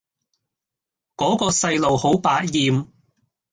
嗰個細路好百厭